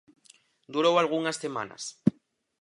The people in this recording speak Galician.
Durou algunhas semanas.